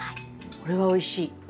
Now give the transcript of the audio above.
これはおいしい。